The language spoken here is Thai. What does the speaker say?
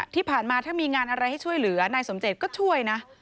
ที่ผ่านมาถ้ามีงานอะไรให้ช่วยเหลือนายสมเจตก็ช่วยนะ